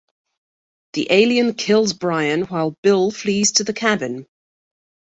The alien kills Brian while Bill flees to the cabin.